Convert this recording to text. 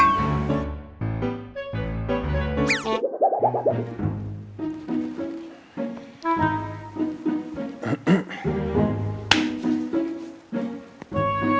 aduh kebentur lagi